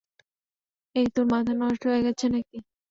এই তোর মাথা নষ্ট হয়ে গেছে নাকি?